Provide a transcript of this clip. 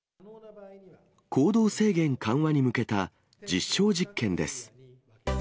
行動制限緩和に向けた実証実験です。